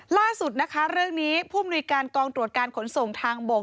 ล่าสุดนะคะเรื่องนี้ผู้มนุยการกองตรวจการขนส่งทางบก